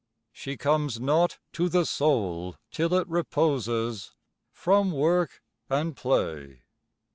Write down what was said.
She comes not to the Soul till it reposes From work and play.